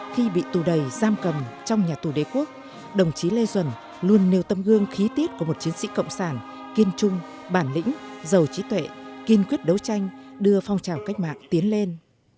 khi bị tù đầy giam cầm trong nhà tù đế quốc đồng chí lê duẩn luôn nêu tấm gương khí tiết của một chiến sĩ cộng sản kiên trung bản lĩnh giàu trí tuệ kiên quyết đấu tranh đưa phong trào cách mạng tiến lên